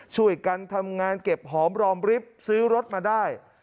ช่วยกันทำงานเก็บหอมรอมริฟท์ซื้อรถมาได้